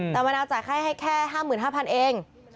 แต่มะนาวจ่ายค่าให้แค่๕๕๐๐เอง